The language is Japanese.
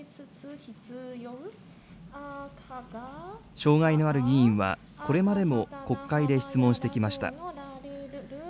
障害のある議員は、これまでも国会で質問してきました。